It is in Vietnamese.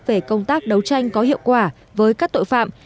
về công tác đấu tranh có hiệu quả với các tội phạm